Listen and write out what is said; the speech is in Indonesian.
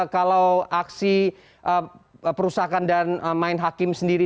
kalau aksi perusahaan dan main hakim sendiri